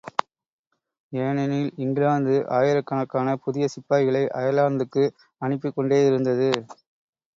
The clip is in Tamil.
ஏனெனில், இங்கிலாந்து ஆயிரக்கணக்கான புதிய சிப்பாய்களை அயர்லாந்துக்கு அனுப்பிக் கொண்டேயிருந்தது.